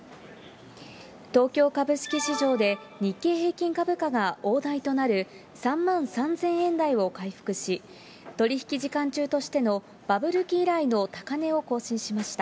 東京株式市場で、日経平均株価が大台となる３万３０００円台を回復し、取り引き時間中としてのバブル期以来の高値を更新しました。